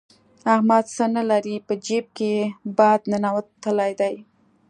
احمد څه نه لري؛ په جېب کې يې باد ننوتلی دی.